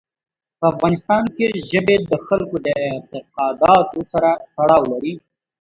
په افغانستان کې ژبې د خلکو د اعتقاداتو سره تړاو لري.